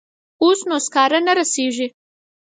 اوس نو سکاره نه رسیږي.